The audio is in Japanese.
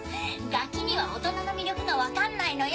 ガキには大人の魅力が分かんないのよ！